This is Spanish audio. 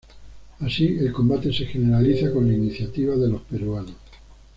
Así el combate se generaliza con la iniciativa de los peruanos.